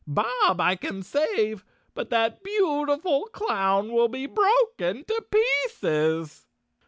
Bob I can save, but that beautiful clown will be broken to pieces!"